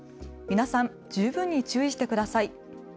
皆さん、十分に注意してください。